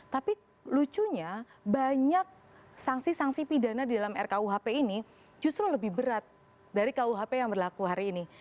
tapi lucunya banyak sanksi sanksi pidana di dalam rkuhp ini justru lebih berat dari kuhp yang berlaku hari ini